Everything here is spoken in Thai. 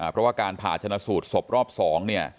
เพราะว่าการผ่าชนะสูตรสบรอบสอง